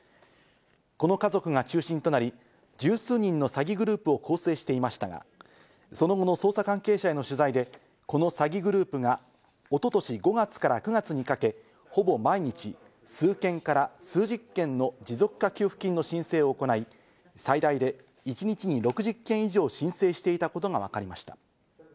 この家族が中心となり、十数人の詐欺グループを構成していましたが、その後の捜査関係者への取材で、この詐欺グループが一昨年５月から９月にかけ、ほぼ毎日、数件から数十件の持続化給付金の申請を行い、最大で一日に６０件以上申請していたことが分かりました。